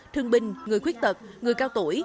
thương binh người khuyết tật người cao tuổi